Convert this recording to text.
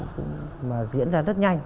cũng diễn ra rất nhanh